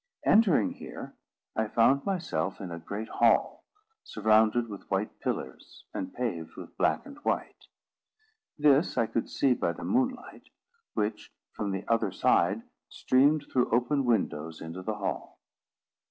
Entering here, I found myself in a great hall, surrounded with white pillars, and paved with black and white. This I could see by the moonlight, which, from the other side, streamed through open windows into the hall.